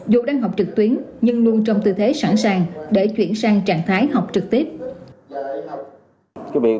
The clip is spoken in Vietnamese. dù đang học trực tuyến nhưng luôn trong tư thế sẵn sàng để chuyển sang trạng thái học trực tiếp